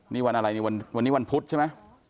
นี่วันอะไรนี่วันนี้วันพุธใช่ไหม